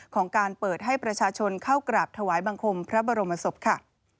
ของการเปิดให้ประชาชนเข้ากราบถวายบังคมพระบรมศพค่ะ